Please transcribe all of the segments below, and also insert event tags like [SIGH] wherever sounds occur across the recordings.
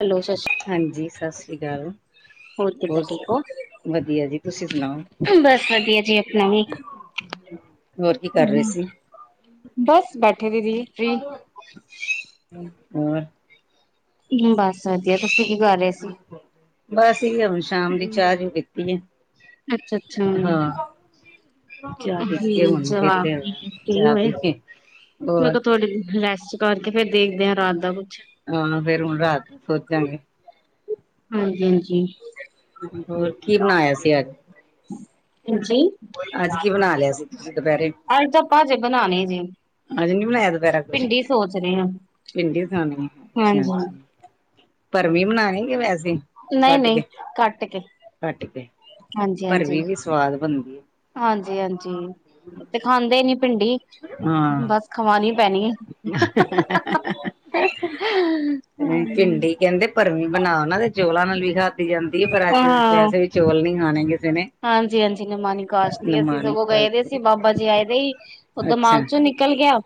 Hello ਸਤਿ ਸ਼੍ਰੀ ਹਾਂਜੀ ਸ ਸ੍ਰੀ ਕਾਲ। ਹੋਰ ਕਿੱਦਾਂ ਠੀਕ ਓ? ਵਧੀਆ ਜੀ ਤੁਸੀਂ ਸੁਣਾਓ ਬਸ ਵਧੀਆ ਜੀ ਆਪਣਾ ਵੀ। ਹੋਰ ਕੀ ਕਰ ਰਹੇ ਹਾਂ, ਸੀ ਬਸ ਬੈਠੇ ਦੀਦੀ ਫਰੀ। [INAUDIBLE] ਬਸ ਵਧੀਆ ਤੁਸੀਂ ਕੀ ਕਰ ਰੇ ਸੀ? ਬਸ ਅਸੀਂ ਵੀ ਆਪਣੀ ਸ਼ਾਮ ਦੀ ਚਾਹ ਚੂ ਪੀਤੀ ਏ। ਅੱਛਾ-ਅੱਛਾ। ਚਾਹ ਪੀਤੀ ਹੈ ਹੂੰ ਹੁਣ ਜਵਾਕ ਵਿਹਲੇ ਨੂੰ ਹੋਇਆ ਕੀ ਚਾਹ ਹੋਇਆ? ਪੀ ਕੇ ਮੈਂ ਹੋਰ ਕਿਆ ਥੋੜੀ ਰੈਸਟ ਕਰਕੇ ਫੇਰ ਦੇਖਦੇ ਆ ਰਾਤ ਦਾ ਕੁੱਛ। ਹਾਂ, ਫੇਰ ਹੁਣ ਰਾਤ ਦਾ ਸੋਚਾਂਗੇ। ਹਾਂਜੀ-ਹਾਂਜੀ। ਹੋਰ ਕੀ ਬਣਾਇਆ ਸੀ ਅੱਜ? ਹਾਂਜੀ! ਅੱਜ ਕੀ ਬਣਾ ਲਿਆ ਸੀ ਤੁਸੀਂ ਦੂਪੈਰੇ। ਅੱਜ ਆਪਾਂ ਅਜੇ ਬਨਾਨੀ ਜੀ। ਅਜੇ ਨੀ ਬਣਾਇਆ ਦੁਪੈਰੇ ਕੁਛ? ਭਿੰਡੀ ਸੋਚ ਰਹੇ ਹਾਂ। ਭਿੰਡੀ ਬਨਾਨੀ ਏ, ਅਛਾ। ਹਾਂਜੀ ਭਰਮੀਂ ਬਨਾਣੀ ਕੇ ਵੈਸੇ ਈ? ਨਈ-ਨਈ ਕੱਟ ਕੇ, ਕੇ ਹਾਂਜੀ-ਹਾਂਜੀ। ਭਰਵੀ ਵੀ ਸਵਾਦ ਬਣਦੀ ਹੈ ਹਾਂਜੀ-ਹਾਂਜੀ। ਏ ਤੇ ਖਾਂਦੇ ਈ ਨੀ ਭਿੰਡੀ, ਹਾਂ ਬਸ ਖਵਾਣੀ ਪੈਣੀ ਏ। ਹਮ [UNINTELLIGIBLE] ਭਿੰਡੀ। ਕੈਂਦੇ ਭਰਮੀਂ ਬਨਾਓ ਨਾ ਤੇ ਚੌਲਾਂ ਨਾਲ ਵੀ ਖਾਧੀ ਜਾਂਦੀ ਏ ਪਰ ਅੱਜ ਵੈਸੇ ਵੀ ਚੌਲ ਨੀ ਖਾਣੇ ਕਿ ਹਾਂਜੀ-ਹਾਂਜੀ, ਨਿਮਾਨੀ ਕਾਸ਼ਤੀਂ ਏ। ਅਸੀਂ ਨਿਮਾਣੀ ਸਗੋਂ ਗਏ ਦੇ ਸੀ ਕਰਕੇ। ਬਾਬਾ ਜੀ ਆਏ ਦੇ ਈ ਓ ਅੱਛਾ ਦਿਮਾਗ ਚੋਂ ਨਿ ਨਿਕਲ ਗਿਆ।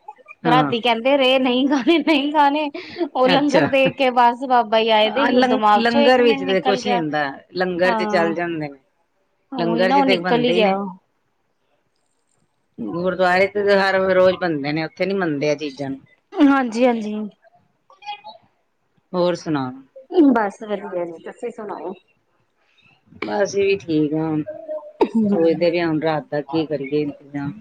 ਹਾਂ ਰਾਤੀ ਕੈਂਦੇ ਰੇ ਨਈ ਖਾਣੇ-ਨਈ ਖਾਨੇ, ਓ ਲੰਗਰ ਦੇਖ ਕੇ ਬਸ ਬਾਬਾ ਹੀ ਆਏ ਦੇ ਹਾਂ, ਹੀ ਉਹ ਦਿਮਾਗ ਚੋਂ ਇੱਕ ਲੰ-ਲੰਗਰ ਵਿੱਚ ਮਿੰਟ ਤੇ ਨਿਕਲ ਕੁਛ ਨੀ ਗਿਆ ਹੁੰਦਾ, ਲੰਗਰ ਦੇ ਚੱਲ ਹਾਂ ਜਾਂਦੇਨ। ਉਹੀ ਲੰਗਰ ਨਾ ਉਹ ਚ ਤੇ ਨਿਕਲ ਹੀ ਬੰਦੇ ਈ ਗਿਆ ਨੇ। ਗੁਰਦੁਆਰੇ ਤੇ ਹਰ ਰੋਜ਼ ਬੰਦੇ ਨੇ ਓਥੇ ਨੀ ਮੰਨਦੇ ਐ ਚੀਜ਼ਾਂ ਨੂੰ। ਅ ਹਾਂਜੀ-ਹਾਂਜੀ। ਹੋਰ ਸੁਣਾ? ਬਸ ਵਧੀਆ ਜੀ, ਤੁਸੀਂ ਸੁਣਾਓ? ਬ ਅਸੀਂ ਵੀ ਠੀਕ ਆ ਹੁਨ। ਸੋਚਦੇ ਬੇ ਆ ਹੁਨ ਰਾਤ ਦਾ ਕੀ ਕਰੀਏ ਇੰਤਜਾਮ।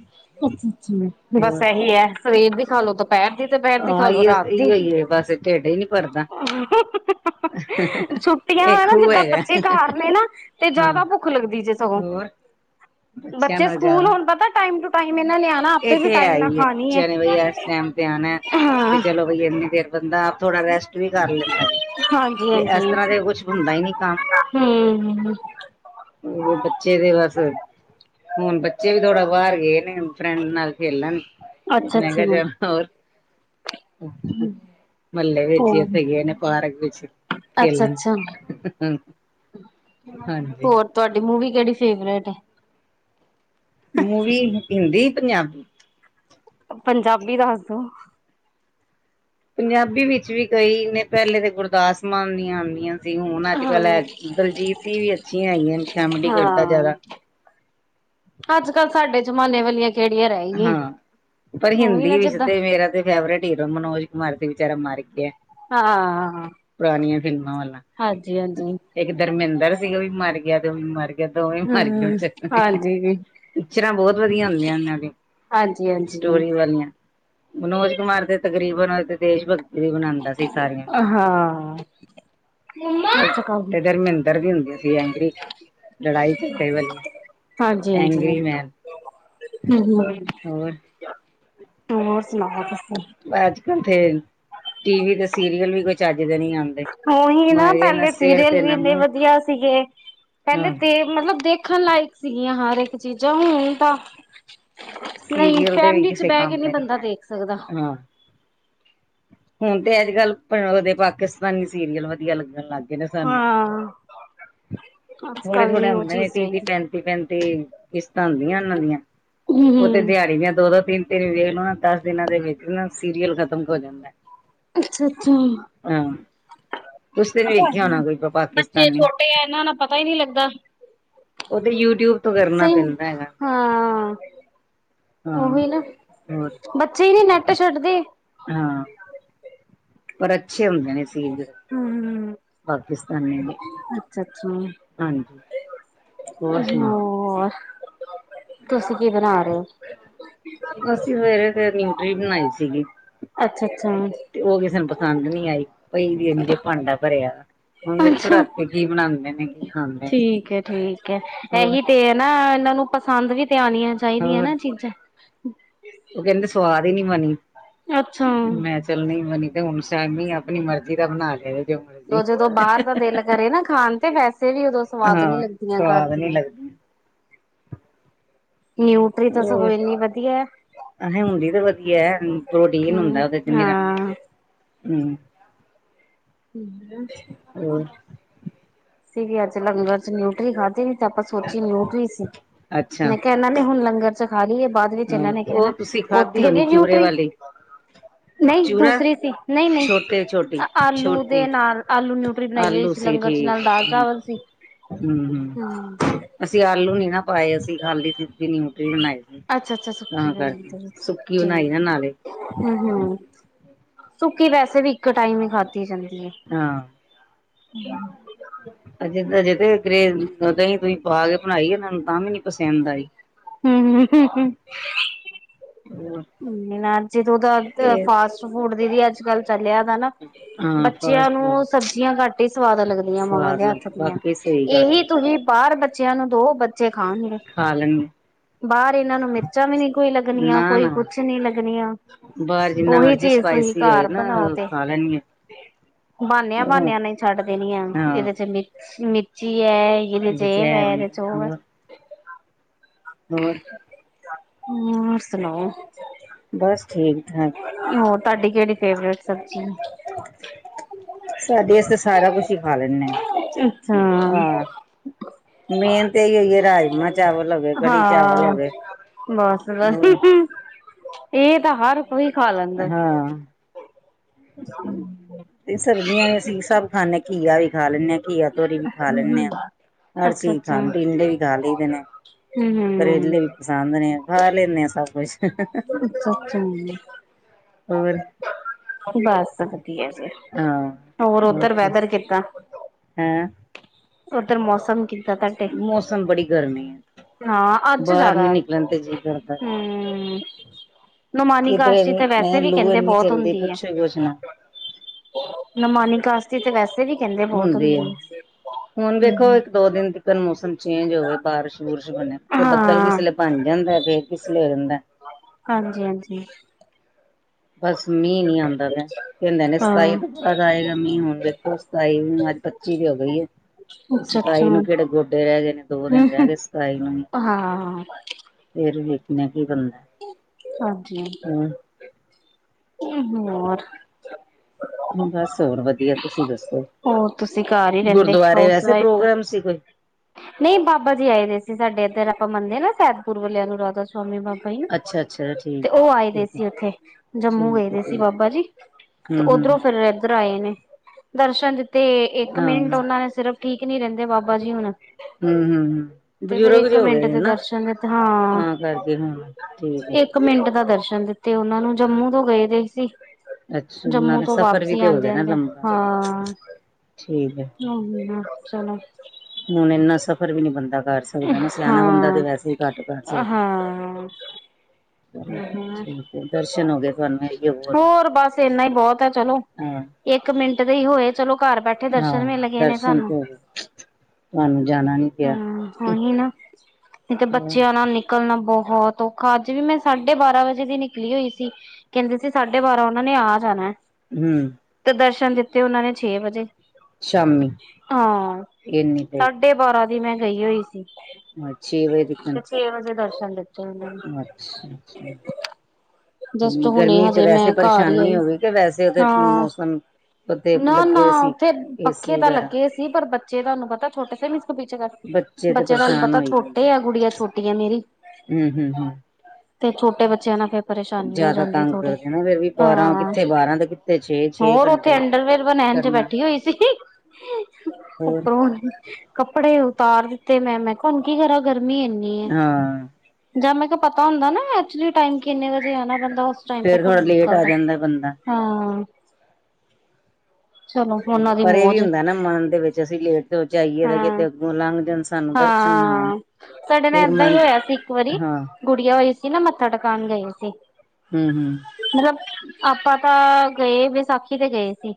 ਬਸ ਹੋਰ? ਇਹੀ ਹੈ ਸਵੇਰ ਦੀ ਖਾ ਲੋ ਦੁਪੈਰ ਦੀ, ਦੁਪੈਰ ਦੀ ਹਾਂ ਇ ਖਾਾਲੋ, ਰਾਤ ਇ ਦੀ। ਹੀ ਬਸ ਢਿੱਡ ਹੀ ਨੀ ਭਰਦਾ [UNINTELLIGIBLE] ਛੁੱਟੀਆਂ ਇਹ ਹੈ ਨਾ ਖੂਹ ਜਿੱਦਾਂ ਬੱਚੇ ਹੈਗਾ ਘਰ ਨੇ ਨਾ, ਤੇ ਹਾਂ ਜਾਦਾ ਭੁੱਖ ਲੱਗਦੀ ਜੇ। ਸਗੋਂ ਹੋਰ। ਬੱਚਿਆਂ ਬੱਚੇ ਨਾਲ ਸਕੂਲ ਜ਼ਿਆਦਾ ਹੋਨ ਪਤਾ ਟਾਈਮ ਟੂ ਟਾਈਮ ਏਨਾ ਨੇ ਆਣਾ, ਇਹ ਆਪੇ ਵੀ ਤੇ ਹੈ ਟਾਈਮ ਨਾਲ ਹੀ ਹੈ ਖਾਣੀ ਏ, ਬੱਚਿਆਂ ਨੇ ਹਾਂ। ਓਈ ਏਨੀ ਦੇਰ ਬੰਦਾ ਥੋੜਾ ਰੈਸਟ ਵੀ ਕਰ ਲੈਂਦਾ ਜੇ ਹਾਂਜੀ ਤੇ ਐਸ ਹਾਂਜੀ ਤਰਾ ਤੇ ਕੁਛ ਹੁੰਦਾ ਈ ਨੀ ਕੰਮ। ਹੂੰ ਬੱਚੇ ਤੇ ਬਸ, ਹੁਣ ਬੱਚੇ ਵੀ ਥੋੜਾ ਬਾਰ ਗਏ ਨੇ ਫ੍ਰੇਂਡ ਨਾਲ ਖੇਲਨ, ਅੱਛਾ ਮੇ ਅੱਛਾ ਕਿਆ ਚਲ ਹੋਰ [INAUDIBLE] ਮਲੇ ਵਿੱਚ ਹੋਰ ਓਥੇ ਗਏ ਨੇ ਪਾਰਕ ਵਿੱਚ ਅੱਛਾ ਖੇਲਣ। ਅੱਛਾ ਹਾਂਜੀ। ਤੁਐਡੀ ਮੂਵੀ ਕੇੜੀ ਫੇਵਰੇਟ ਏ? ਮੂਵੀ ਹਿੰਦੀ, ਪੰਜਾ ਪੰਜਾਬੀ ਦੱਸ ਦੋ? ਪੰਜਾਬੀ ਵਿੱਚ ਵੀ ਕਈ ਨੇ, ਪੈਲੇ ਤੇ ਗੁਰਦਾਸ ਮਾਨ ਦੀ ਆਂਦੀਆਂ ਅਨ। ਤੇ ਹੁਨ ਅੱਜ ਹਾਂ ਕੱਲ ਐ ਦਲਜੀਤ ਦੀ ਵੀ ਅੱਛੀਆਂ ਹੈਗੀਆਂ ਅਨ ਕੈਮਡੀ ਕਰਦੈ ਜਾਦਾ। ਹਾਂ ਅੱਜ ਕੱਲ੍ਹ ਸਾਡੇ ਜ਼ਮਾਨੇ ਵਾਲੀਆਂ ਕਿਹੜੀਆਂ ਰਹਿ ਗਈਆਂ। ਹਾਂ, ਪਰ ਉਹੀ ਨਾ ਹਿੰਦੀ ਵਿੱਚ ਜਿੱਦਾਂ ਤੇ ਮੇਰਾ ਤੇ ਫੈਵਰੇਟ ਹੀਰੋ ਮਨੋਜ ਕੁਮਾਰ ਤੇ ਵਿਚਾਰਾ ਮਰ ਗਿਆ। ਹਾਂ- ਹਾਂਜੀ-ਹਾਂਜੀ। ਏਕ ਦਰਮਿੰਦਰ ਸੀ ਓ ਵੀ ਮਰ ਗਿਆ, ਤੇ ਓ ਵੀ ਮਰ ਗਿਆ। ਕੇ ਦੋਵੇਂ ਮਰ ਗਏ ਉਹ ਹੂੰ ਚ ਹਾਂਜੀ ਪਿਕਚਰਾਂ ਬਹੁਤ ਵਦੀਆ ਹੁੰਦੀਆਂ ਉਹਨਾਂ ਦੀ ਹਾਂਜੀ ਹਾਂਜੀ। ਸਟੋਰੀ ਵਾਲੀਆਂ ਮਨੋਜ ਕੁਮਾਰ ਤੇ ਤਕਰੀਬਨ ਉਹ ਤੇ ਦੇਸ਼ ਭਗਤੀ ਫਿਰਈ ਬਨਾੰਦਾ ਸੀ ਸਾਰੀਆਂ ਹਾਂ। ਅੱਛਾ ਤੇ ਧਰਮਿੰਦਰ ਵੀ ਹੁੰਦੀਆਂ ਸੀ ਐਂਗਰੀ ਲੜਾਈ ਝਗੜੇ ਵਾਲੀਆਂ ਹਾਂਜੀ ਹਾਂਜੀ ਐਂਗਰੀ ਮੈਨ ਹੂੰ-ਹੂੰ ਹੋਰ ਹੋਰ ਸੁਨਾਓ ਤੁਸੀ ਅੱਜ ਕੱਲ ਤੇ ਟੀਵੀ ਤੇ ਸੀਰੀਅਲ ਵੀ ਕੁਝ ਚੱਜ ਦੇ ਨੀ ਆੰਦੇ ਉਹੀ ਨਾ ਪਹਿਲੇ ਸੀਰੀਅਲ ਵੀ ਇੰਨੇ ਮੂੰਹ ਵਦੀਆ ਸੀਗੇ ਪਹਿਲੇ ਹਾਂ ਦੇਵ ਮਤਲਬ ਦੇਖਨ ਲਾਇਕ ਸੀਗੀਆਂ ਹਰ ਇੱਕ ਚੀਜ਼ਾਂ ਹੁਨ ਤਾ ਨਹੀਂ ਸੀਰੀਅਲ ਦੇ ਵੀ ਫੈਮਲੀ ਚ ਕਿਸੇ ਬਹਿ ਕੇ ਕੰਮ ਨੀ ਦੇ ਬੰਦਾ ਹੈ ਦੇਖ ਸਕਦਾ ਹੁਨ ਤੇ ਅੱਜ ਕੱਲ ਉਹਦੇ ਪਾਕਿਸਤਾਨੀ ਸੀਰੀਅਲ ਵਦੀਆ ਲੱਗਨ ਲੱਗ ਗਏ ਨੇ। ਹਾਂ। ਅੱਜ ਥੋੜੇ ਕੱਲ ਥੋੜੇ ਨੀ ਉਹ ਹੁੰਦੇ ਨੇ ਚੀਜ਼ ਰਹੀ ਤੀਹ-ਤੀਹ ਪੈਂਤੀ। ਤੀਹ ਪੈਂਤੀ ਕਿਸ਼ਤਾਂ ਹੁੰਦੀਆਂ ਉਹਨਾਂ ਦੀਆਂ ਉਹ ਤੇ ਹਮ ਦਿਹਾੜੀ ਦੀਆਂ ਦੋ- ਦੋ ਤਿੰਨ- ਤਿੰਨ ਵੇ ਵੇਖਲੋ ਦੱਸ ਦਿਨਾਂ ਦੇ ਵਿੱਚ ਨਾ ਸੀਰੀਅਲ ਖਤਮ ਹੋ ਜਾਂਦਾ ਅੱਛਾ ਅੱਛਾ। ਹਾਂ ਤੁਸੀਂ ਤੇ ਨੀ ਵੇਖਿਆ ਤੁਹਾਡੇ ਹੋਣਾ ਕੋਈ ਬੱਚੇ ਪਾਕਿਸਤਾਨੀ ਛੋਟੇ ਆ ਇਹਨਾਂ ਨਾਲ ਪਤਾ ਹੀ ਨਹੀਂ ਲੱਗਦਾ ਉਹ ਤੇ ਯੂਟਿਊਬ ਤੋਂ ਕਰਨਾ ਸਹੀ ਪੈਂਦਾ ਹੈਗਾ ਹਾਂ ਹਾਂ ਉਹੀ ਨਾ ਹੋਰ ਬੱਚੇ ਨੀ ਨੈਟ ਛੱਡਦੇ ਹਾਂ। ਪਰ ਅੱਛੇ ਹੁੰਦੇ ਨੇ। ਸੀਰ ਜਿਹੜੇ ਹੂੰ ਪਾਕਿਸਤਾਨੀ ਏ ਅੱਛਾ ਹੂੰ ਹੋਰ ਤੁਸੀਂ ਕੀ ਬਣਾ ਰਹੇ ਔ ਅਸੀਂ ਸਵੇਰੇ ਤੇ ਨਿਊਟਰੀ ਬਨਾਈ ਸੀਗੀ ਅੱਛਾ-ਅੱਛਾ, ਤੇ ਉਹ ਕਿਸੇ ਨੂੰ ਪਸੰਦ ਨੀ ਆਈ ਪਈ ਦੀ ਏ ਇਜੇ ਭਾਂਡਾ ਭਰਿਆ ਹੁਣ ਅੱਛਾ ਵੇਖੋ ਅੱਛਾ ਰਾਤੀ ਕੀ ਬਨਾੰਦੇ ਨੇ ਕੀ ਖਾਂਦੇ ਨੇ। ਠੀਕ ਹੈ ਠੀਕ ਹੈ, ਹੋਰ ਇਹੀ ਤੇ ਏ ਨਾ ਇਹਨਾਂ ਨੂੰ ਪਸੰਦ ਵੀ ਤੇ ਆਂਨੀਆ ਚਾਹੀਦੀਆਂ ਹੋਰ ਨਾ ਚੀਜ਼ਾਂ। ਉਹ ਕਹਿੰਦੇ ਸਵਾਦ ਈ ਨੀ ਬਨੀ ਅੱਛਾ ਮੈਂ ਚੱਲ ਨੀ ਵਦੀਆ ਤੇ ਹੁਨ ਸੈਂਡਵਿ ਆਪਣੀ ਮਰਜ਼ੀ ਦਾ ਬਣਾ ਲਿਆ ਜੇ। ਉਹ ਜਦੋਂ ਬਾਹਰ ਦਾ ਦਿਲ ਕਰੇ ਨਾ ਖਾਨ ਤੇ ਵੈਸੇ ਵੀ ਉਦੋਂ ਸਵਾਦ ਨੀ ਹਾਂ ਲਗਦੀਆਂ ਘਰ ਸਵਾਦ ਨੀ ਦੀਆਂ ਲੱਗਦੀ ਨਿਊਟਰੀ ਤਾਂ ਸਗੋਂ ਹੋਰ ਏਨੀ ਵਦੀਆ ਏ ਅ ਹੁੰਦੀ ਤੇ ਵਦੀਆ ਐ ਪ੍ਰੋਟੀਨ ਹੁੰਦਾ ਹੂੰ ਉਹਦੇ ਵਿੱਚ ਹੁੰਦਾ ਇਚ ਨਿਰਾ ਹਾਂ ਹੂੰ। ਹੂੰ, ਹੂੰ। [UNINTELLIGIBLE] ਹੰ ਅਸੀ ਵੀ ਅੱਜ ਲੰਗਰ ਚ ਨਿਊਟਰੀ ਖਾਧੀ ਏ ਤੇ ਆਪਾਂ ਸੋਚੀਏ ਨਿਊਟਰੀ ਸੀ ਅੱਛਾ ਮੈਂ ਕਿਹਾ ਇਹਨਾਂ ਨੇ ਹੁਣ ਲੰਗਰ ਚ ਖਾ ਲਈਏ ਬਾਅਦ ਵਿੱਚ ਹੂੰ ਇਹਨਾਂ ਨੇ ਹੁਨ ਕਹਿਨਾ ਉਹ ਤੁਸੀਂ ਖਾਧੀ ਉੱਥੇ ਹੋਣੀ ਵੀ ਚੂਰੇ ਨਿਊਟਰੀ ਵਾਲੀ ਨਹੀਂ ਚੂਰਾ ਦੂਸਰੀ ਸੀ ਨਹੀਂ- ਨਹੀਂ ਛੋਟੇ ਛੋਟੀ ਆਲੂ ਦੇ ਛੋਟੀ ਨਾਲ ਆਲੂ ਨਿਊਟਰੀ। ਨਿਊਟਰੀ ਬਣਾਈ ਹੋਈ ਆਲੂ ਸੀ ਲੰਗਰ ਚ ਠੀਕ ਨਾਲ ਹੈ ਦਾਲ ਹੂੰ ਚਾਵਲ ਸੀ ਹੂੰ ਅਸੀਂ ਆਲੂ ਨੀ ਨਾ ਪਾਏ ਅਸੀਂ ਖਾਲੀ ਸਿੱਧੀ ਨਿਊਟਰੀ ਬਨਾਈ ਸੀ ਅੱਛਾ- ਅੱਛਾ। ਤਾਂ ਕਰਕੇ ਸੁੱਕੀ ਬਨਾਈ ਨਾ ਨਾਲੇ। ਹੂੰ-ਹੂੰ ਸੁੱਕੀ ਵੈਸੇ ਵੀ। ਇੱਕ ਟਾਈਮ ਈ ਖਾਧੀ ਜਾਂਦੀ ਏ। ਹਜੇ-ਹਜੇ ਤੇ ਗਰੇਵ ਦਹੀਂ ਦੂਈ ਪਾ ਕੇ ਬਣਾਈ ਏ, ਇਹਨਾਂ ਨੂੰ ਤਾਂ ਵੀ ਨੀ। ਪਸੰਦ ਆਈ ਹੂੰ ਹੋਰ ਨਾ ਜਦੋਂ ਤਾਂ ਇਹ ਫਾਸਟ ਫੂਡ ਦੀ ਵੀ ਅੱਜ-ਕੱਲ ਚਲਿਆ ਦੈ ਨਾ। ਹਾਂ ਬੱਚੇਆਂ ਫਾਸਟ ਫੂਡ ਨੂੰ ਸਬਜ਼ੀਆਂ ਘੱਟ ਈ ਸਵਾਦ ਲੱਗਦੀਆਂ ਮਾਵਾਂ ਸਵਾਦ ਦੇ ਲੱਗ ਹੱਥ ਦੀਆਂ। ਬਾਕੀ ਸਹੀ ਗੱਲ ਏਹੀ ਤੁਸੀਂ ਬਾਰ ਬੱਚੇਆਂ ਨੂੰ ਦੋ ਬੱਚੇ ਖਾਣਗੇ। ਖਾ ਲੈਣਗੇ ਬਾਰ ਇੱਨਾਂ ਨੂੰ ਮਿਰਚਾਂ ਵੀ ਨੀ ਕੋਈ ਲੱਗਣੀਆਂ ਨਾ ਕੋਈ ਨਾ ਕੁਛ ਨੀ ਲੱਗਣੀਆਂ, ਬਾਹਰ ਜਿੰਨਾ ਓਹੀ ਮਰਜ਼ੀ ਚੀਜ਼ ਤੁਸੀਂ ਸਪਾਈਸੀ ਹੋਏ ਘਰ ਨਾ ਬਣਾਓ ਤੇ ਖਾ ਲੈਣਗੇ ਬਾਨਿਆਂ-ਬਾਨਿਆਂ ਨੇ ਹਾਂ ਛੱਡ ਦੇਣੀਐ ਇਹਦੇ ਚ ਮ ਮਿਰਚੀ ਐ। ਏਦੇ ਚ ਇਹਦੇ ਏਐ ਐਵੇਂ ਏਦੇ ਚ ਓ ਐ। ਹੋਰ ਹੋਰ। ਹੋਰ ਸੋਨਾਓ। ਬਸ ਠੀਕ ਠਾਕ। ਹੋਰ ਤੁਆਡੀ ਕੇਹੜੀ ਫੇਵਰੇਟ ਸਬਜ਼ੀ ਐ। ਸਾਡੇ ਆਸਤੇ ਸਾਰਾ ਕੁਛ ਈ ਖਾ ਲੈਂਣੈ ਆਂ। ਹਾਂ। ਮੇਨ ਤੇ ਏਇਓ ਈਏ ਰਾਜਮਾਂ-ਚਾਵਲ ਹੋ ਗਏ, ਕੜੀ-ਚਾਵਲ ਹੋ ਗਏ। ਬਸ-ਬਸ ਹੋਰ ਇਹ ਤਾਂ ਹਰ ਕੋਈ ਖਾ ਲੈਂਦੈਂ। ਹਾਂ ਤੇ ਸਬਜ਼ੀਆਂ ਵੀ ਅਸੀਂ ਸਭ ਖਾਂਣੇ, ਘੀਆ ਵੀ ਖਾ ਲੈਂਣੇ ਆ ਘੀਆ। ਤੋਰੀ ਵੀ ਖਾ ਲੈਂਣੇ ਆਂ। ਹਰ ਅੱਛਾ ਚੀਜ਼ ਅੱਛਾ ਖਾ ਟਿੰਡੇ ਵੀ ਖਾ ਲਈਦੇ ਨੇ, ਹਮ ਹਮ ਕਰੇਲੇ ਵੀ ਪਸੰਦ ਨੇ। ਖਾ ਲੈਂਨੇ ਆ ਸਭ ਕੁਛ। ਹਮ ਹੋਰ। ਬਸ ਵਧੀਆ ਜੀ, ਹਾਂ ਹੋਰ ਓੱਧਰ ਵੈਦਰ ਕਿੱਦਾਂ? ਹੈਂ। ਓੱਧਰ ਮੌਸਮ ਕਿੱਦਾਂ ਤੁਹਾਡੇ? ਮੌਸਮ ਬੜੀ ਗਰਮੀ ਏ, ਹਾਂ ਅੱਜ ਬਾਰ ਨੀ ਜ਼ਿਆਦਾ ਨਿਕਲਣ ਤੇ ਜੀ ਕਰਦਾ। ਨੁਮਾਨੀ ਕਿਧਰੇ ਕਾਸ਼ਤੀ ਤੇ ਮੈਂ ਵੈਸੇ ਵੀ ਲੂ ਕੈਹੰਦੇ ਕੇ ਇੰਨੀ ਬਹੁਤ ਚਲਦੀ ਹੁੰਦੀ ਐ। ਪੁੱਛੋ ਹੀ ਕੁਛ ਨਾ ਨਮਾਨੀ ਕਾਸਤੀ ਤੇ ਵੈਸੇ ਵੀ ਕਹਿੰਦੇ ਬਹੁਤ ਹੁੰਦੀ ਐ ਹੈ। ਹੁਣ ਵੇਖੋ ਇਕ-ਦੋ ਦਿਨ ਨ ਮੌਸਮ ਚੇਂਜ ਹੋਵੇ ਬਾਰਿਸ਼ ਬੁਰਿਸ਼ ਬਣਿਆ ਬੱਦਲ ਹਾਂ, ਕਿਸੇਲੇ ਬਣ ਜਾਂਦੈ ਫੇਰ ਕਿਸੇਲੇ ਰੋ ਜਾਂਦੈ। ਹਾਂਜੀ-ਹਾਂਜੀ। ਬਸ ਮੀਂਹ ਨੀ ਆਂਦਾ ਪਯਾ। ਕੈਹੰਦੇ ਨੇ ਸਤਾਈ ਹਾਂ, ਤੋਂ ਬਾਦ ਆਏਗਾ ਮੀਂ, ਹੁਣ ਵੇਖੋ ਸਤਾਈ ਅੱਜ ਪੱਚੀ ਵੀ ਹੋ ਗਈ ਏ। ਸਤਾਈ ਨੂੰ ਅੱਛਾ-ਅੱਛਾ। ਕੇਹੜੇ ਗੋਡੇ ਰੈਹ ਗਏ ਨੇ ਦੋ ਦਿਨ ਹੂੰ, ਰੈਹ ਗਏ ਸਤਾਈ ਨੂੰ। ਹਾਂ, ਫੇਰ ਵੇਖਣੇ ਆ ਕੀ ਬਨਦੈ। ਹਾਂਜੀ ਹੋਰ। ਬਸ ਹੋਰ ਵਧੀਆ ਤੁਸੀਂ ਦੱਸੋ, ਹੋਰ ਤੁਸੀਂ ਘਰ ਹੀ ਰਹਿੰਦੇ ਗੁਰਦੁਆਰੇ ਹਾਊਸ ਵੈਸੇ ਵਾਈਫ? ਪ੍ਰੋਗਰਾਮ ਸੀ ਕੋਈ। ਨਹੀਂ ਬਾਬਾ ਜੀ ਆਏ ਨੇ ਸੀ ਸਾਡੇ ਇੱਧਰ ਆਪਾਂ ਮੰਨਦੇ ਨਾ ਸੈਦਪੁਰ ਵਾਲੇਆਂ ਨੂ ਰਾਧਾ ਸਵਾਮੀ ਬਾਬਾ ਅੱਛਾ ਅੱਛਾ ਤੇ ਠੀਕ ਹੈ ਓ ਆਏ ਦੇ ਠੀਕ ਹੈ ਸੀ ਐਥੇ ਜੰਮੂ ਠੀਕ ਹੈ ਵੇਲੇ ਸੀ ਬਾਬਾ ਜੀ। ਤੇ ਹਮ ਹਮ ਓਧਰੋਂ ਹਮ ਫੇਰ ਐੱਧਰ ਆਏ ਨੇ ਦਰਸ਼ਨ ਦਿ ਤੇ ਇੱਕ ਹਾਂ ਹਮ ਮਿੰਟ ਉਨਾਂ ਨੇ ਸਿਰਫ ਠੀਕ ਨੀ ਰੈਹੰਦੇ ਬਾਬਾ ਜੀ ਹੁਣ। ਹਮ ਹਮ ਤੇ ਫੇਰ ਬਜ਼ੁਰਗ ਇੱਕ ਜੇ ਹੋ ਗਏ ਮਿੰਟ ਨੇ ਦੇ ਨਾ ਦਰਸ਼ਨ ਦੀਤੇ ਹਾਂ। ਤਾਂ ਕਰਕੇ ਹੁਣ, ਠੀਕ ਏ। ਇੱਕ ਮਿੰਟ ਦਾ ਦਰਸ਼ਨ ਦਿੱਤੇ ਉਹਨਾਂ ਨੂੰ ਜੰਮੂ ਤੋਂ ਗਏ ਦੇ ਸੀ। ਅੱਛਾ ਜੰਮੂ ਨਾਲੇ ਤੋਂ ਸਫ਼ਰ ਵੀ ਵਾਪਸੀ ਤੇ ਹੋ ਆਂਦੇ ਗਿਆ ਨਾ -ਆਂਦੇ ਲੰਬਾ ਹਾਂ। ਠੀਕ ਹੈ [UNINTELLIGIBLE] ਚਲੋਂ ਹੁਣ ਏਨਾਂ ਸਫ਼ਰ ਵੀ ਨੀ ਬੰਦਾਂ ਕਰ ਕੋਲ਼ ਰਹਿਣਾ, ਸਿਆਣਾਂ ਬੰਦਾਂ ਤੇ ਹਾਂ। ਵੈਸੇ ਹੀ ਘੱਟ ਕਰ ਸਕਦਾਂ ਹ ਇਹ ਬਹੁਤ ਹੋਰ ਬਸ ਏਨਾਂ ਹੀ ਬਹੁਤ ਆ ਚਲੋਂ ਹਾਂ ਇੱਕ ਮਿੰਟ ਦੇ ਹੀ ਹੋਏ, ਚਲੋਂ ਘਰ ਬੈਠੇਂ ਹਾਂ ਦਰਸ਼ਨ ਮਿਲ਼ ਗਏ ਨੇਂ ਦਰਸ਼ਨ ਸਾਂਨੂੰ ਤੇ ਹੋ ਗਏ ਤੁਹਾਨੂੰ ਜਾਣਾ ਨੀ ਪਿਆ ਹਮ ਉਹੀ ਨਾ, ਨਹੀ ਤਾਂ ਬੱਚਿਆਂ ਨਾਲ਼ ਨਿ ਨਿਕਲਣਾ ਬਹੁਤ ਔਖਾਂ, ਅੱਜ਼ ਵੀ ਮੈਂ ਸਾਢੇ ਬਾਰਾਂ ਵਜੇ ਦੀ ਨਿਕਲੀ ਹੋਈ ਸੀ, ਕਹਿੰਦੇ ਸੀ ਸਾਢੇ ਬਾਰਾਂ ਉਹਨਾ ਨੇ ਆ ਜਾਣਾਂ। ਹੂੰ। ਤੇ ਦਰਸ਼ਨ ਦਿੱਤੇ ਓਹਨਾਂ ਨੇ ਛੇ ਵਜ਼ੇ, ਸ਼ਾਮੀ ਹਾਂ ਇੰਨੀ ਸਾ ਦੇਰ ਸਾਢੇ ਬਾਰਾਂ ਦੀ ਮੈਂ ਗਈ ਹੋਈ ਸੀਂ। ਹਾਂ ਛੇ ਵਜੇ ਤੀਕਣ ਛੇ ਵਜ਼ੇ ਦਰਸ਼ਨ ਦਿੱਤੇ ਓਹਨਾਂ ਨੇ [INAUDIBLE] ਜਸਟ ਹੁਣੇ ਗਰਮੀ ਤੇ ਹਜੇ ਮੈਂ ਵੈਸੇ ਘਰ ਹੀ ਪਰੇਸ਼ਾਨੀ ਆਈਂ, ਹੋ ਗਈ ਕਿ ਵੈਸੇ ਉਹਦੇ ਹਾਂ ਮੌਸਮ ਉੱਥੇ ਨਾ- ਲੱਗੇ ਨਾ ਹੋਏ ਸੀ ਉੱਥੇ ਪੱਖੇ ਏਸੀ ਤਾਂ ਵਗੈਰਾ ਲੱਗੇ ਸੀ, ਪਰ ਬੱਚੇ ਤੁਹਾਂਨੂੰ ਪਤਾਂ ਛੋਟੇ ਸੀ ਤੇ ਬੱਚੇ ਤੁਹਾਂਨੂੰ ਪਰੇਸ਼ਾਨ ਪਤਾਂ ਹੋਈ ਜਾਂਦੇ ਛੋਟੇ ਆ, ਗੁੜੀਆਂ ਛੋਟੀ ਆ ਮੇਰੀ ਹੂੰ ਹੂੰ ਹੂੰ ਤੇ ਛੋਟੇ ਬੱਚਿਆਂ ਨਾਲ਼ ਫੇਰ ਪਰੇਸ਼ਾਨੀ ਹੋ ਜ਼ਿਆਦਾ ਜਾਂਦੀ ਆ ਤੰਗ ਥੋੜੀ, ਕਰਦੇ ਨਾ ਫਿਰ ਵੀ ਬਾਰਾਂ ਹਾਂ ਕਿੱਥੇ ਬਾਰਾਂ ਤੇ ਕਿੱਥੇ ਛੇ ਛੇ ਹੋਰ ਉਥੇ ਘੰਟੇ ਅੰਡਰਵੇਅਰ ਬਣੈਣ ਚ ਕਰਨਾ ਬੈਠੀ ਹੋਈ ਸੀ, ਹੋਰ ਉੱਪਰੋਂ ਹੁਣ ਕੱਪੜੇ ਉਤਾਰ ਦਿੱਤੇ ਮੈਂ -ਮੈਂ ਕਿਹਾਂ ਹੁਣ ਕੀ ਕਰਾਂ ਗਰਮੀਂ ਏਨੀਂ ਏਂ। ਹਾਂ ਜਾਂ ਮੈ ਕਿ ਪਤਾ ਹੁੰਦਾਂ ਨਾ, ਐਕਚੁਲੀ ਟਾਇਮ ਕਿੰਨੇ ਵਜ਼ੇ ਆਣਾਂ ਬੰ ਉਸ ਟਾਇਮ ਤੇ ਫੇਰ ਥੋੜਾ ਘਰੋਂ ਲੇਟ ਆ ਨਿਕਲ਼ਦਾ, ਜਾਂਦਾ ਬੰਦਾ ਹਾਂ ਚਲੋ ਉਹਨਾਂ ਦੀ ਪਰ ਇਹ ਵੀ ਮੌਜ ਹੁੰਦਾਂ ਨਾ ਮਨ ਦੇ ਵਿੱਚ ਅਸੀਂ ਲੇਟ ਤੇ ਚੋ ਜਾਈਏ ਰਹਿਗੇ ਹਾਂ ਤੇ ਅੱਗੋਂ ਲੰਘ ਜਾਣ ਸਾਨੂੰ ਦਰਸ਼ਨ ਨਾ ਹੋਣ ਹਾਂ, ਸਾਡੇ ਨਾਲ਼ ਫਿਰ ਏਦਾਂ ਹੀ ਮਨ ਚ ਹੋਇਆ ਸੀ ਇੱਕ ਵਾਰੀ ਹਾਂ ਗੁੜੀਆਂ ਹੋਈ ਸੀ ਨਾ ਮੱਥਾ ਟਕਾਣ ਗਏ ਸੀ। ਹੂੰ- ਹੂੰ। ਮਤਲਬ ਆਪਾਂ ਤਾਂ ਗਏ, ਵਿਸਾਖੀ ਤੇ ਗਏ ਸੀ।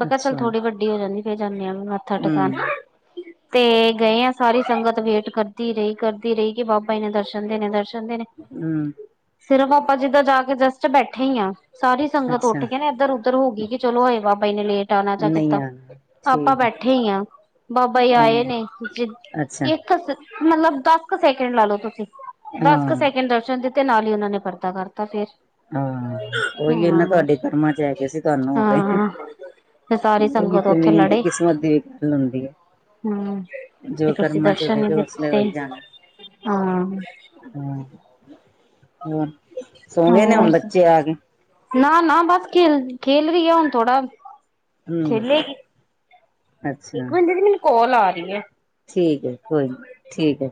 ਮੈਂ ਕਿਹਾ ਚੱਲ ਅੱਛਾ ਥੋੜ੍ਹੀ ਵੱਡੀ ਹੋ ਜਾਂਦੀ ਫਿਰ ਜਾਂਨੇ ਆ ਮੱਥਾਂ ਟਕਾਣ ਹੂੰ [INAUDIBLE] ਤੇ ਗਏ ਆ ਸਾਰੀ ਸੰਗਤ ਵੇਟ ਕਰਦੀ ਰਹੀ, ਕਰਦੀ ਰਹੀ ਕਿ ਬਾਬਾ ਜੀ ਨੇ ਦਰਸ਼ਨ ਦੇਣੇ, ਦਰਸ਼ਨ ਦੇਣੇ ਹੂੰ। ਸਿਰਫ਼ ਆਪਾਂ ਜਿੱਦਾਂ ਜਾ ਕੇ ਜਸਟ ਬੈਠੇਂ ਹੀ ਆ, ਸਾਰੀ ਸੰਗਤ ਅੱਛਾ ਉੱਠ ਕੇ ਨਾ ਇੱਧਰ, ਉਧ ਧਰ ਹੋਗੀ ਕਿ ਚਲੋਂ ਹਏ ਬਾਬਾ ਜੀ ਨੇ ਲੇਟ ਆਣਾ ਜਾ ਨਹੀਂ ਕਿੱਦਾਂ ਆਣਾ ਆਪਾਂ ਠੀਕ ਹੈ ਬੈਠੇ ਹੀ ਆ, ਬਾਬਾ ਜੀ ਹਾਂ ਆਏ ਨੇ ਜ ਅੱਛਾ ਕਿ ਦਸ ਮਤਲਬ ਦਸ ਕ ਸੈਕਿੰਡ ਲਾ ਲਓ ਤੁਸੀਂ, ਦਸ ਕੁ ਹਾਂ ਸੈਕਿੰਡ ਦਰਸ਼ਨ ਦਿੱ ਤੇ ਨਾਲ ਹੀ ਉਹਨਾਂ ਨੇਂ ਪਰਦਾ ਕਰਤਾ ਫੇਰ ਹੂੰ, ਓਹੀਓ ਨਾ ਹਾਂ ਤੁਹਾਡੇ ਕਰਮਾਂ ਚ ਹੈਗੇ ਸੀਂ, ਤੁਹਾਨੂੰ ਹੋਗੇ। ਹਾਂ ਤੇ ਸਾਰੀ ਇਹ ਵੀ ਸੰਗਤ ਤੇ ਉੱਥੇ ਮੇਨ ਤੇ ਲੜੇ ਕਿਸ਼ਮਤ ਦੀ ਵੀ ਗੱਲ ਹੁੰਦੀਂ ਏ। ਹਮ ਜੋ ਤੇ ਤੁਸੀਂ ਕਰਮਾਂ ਚ ਦਰਸ਼ਨ ਹੋਵੇਂ ਨੀ ਤੇ ਉਸਲੇ ਦਿੱਤੇ ਹੋਈ ਜਾਣਾਂ। ਹਾਂ। ਹਾਂ, ਹੂੰ। ਹਾਂ। ਨਾ, ਨਾ ਬਸ ਖੇਲ, ਖੇਲ ਰਹੀ ਆ ਹੁਣ ਥੋੜਾ ਹੂੰ ਖੇਲੇਗੀ। ਇੱਕ ਅੱਛਾ ਮਿੰਟ ਦੀਦੀ ਮੈਨੂੰ ਕਾਲ ਆ ਰਹੀ ਏ। ਠੀਕ ਆ ਜੀ ਕੋਈ ਨੀ ਠੀਕ ਆ।